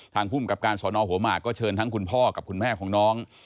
ภูมิกับการสอนอหัวหมากก็เชิญทั้งคุณพ่อกับคุณแม่ของน้อง